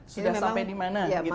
sudah sampai dimana gitu